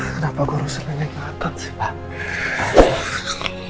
kenapa gue rusak nyanyi ke atas sih pak